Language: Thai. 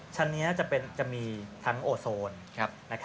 ชั้นนี้จะมีทั้งโอโซน